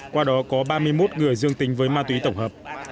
qua đó có ba mươi một người dương tính với ma túy tổng hợp